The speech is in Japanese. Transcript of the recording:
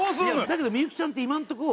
だけどみゆきちゃんって今のとこ